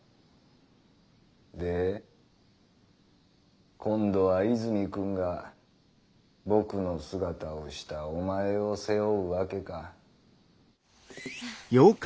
で今度は泉くんが僕の姿をしたお前を背負うわけか。